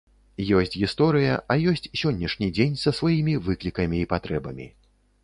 Ёсць гісторыя, а ёсць сённяшні дзень са сваімі выклікамі і патрэбамі.